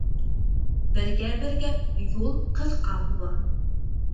Бергә-бергә юл ҡыҫҡа була.